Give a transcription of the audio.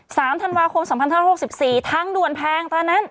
สามธานวาคมสองพันทางหกสิบสี่ทั้งนวลแพงตอนนั้น